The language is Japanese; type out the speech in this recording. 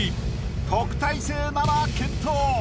特待生なら健闘。